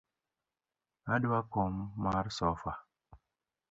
Adwa kom mar sofa